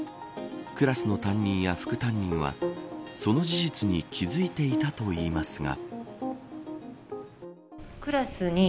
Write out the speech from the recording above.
クラスの担任や副担任はその事実に気付いていたといいますが。